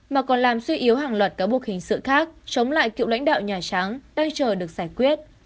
mà còn làm suy yếu hàng loạt cáo buộc hình sự khác chống lại cựu lãnh đạo nhà trắng tay chờ được giải quyết